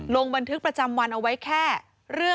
ลงบันทึกประจำวันเอาไว้แค่เรื่อง